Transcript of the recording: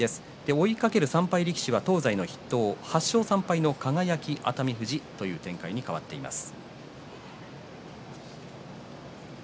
追いかける３敗力士は東西の筆頭８勝３敗の輝と熱海富士という展開に変わっています。